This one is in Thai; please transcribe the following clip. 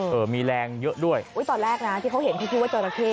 เออเออมีแรงเยอะด้วยอุ้ยตอนแรกน่ะที่เขาเห็นที่พูดว่าเจอราเค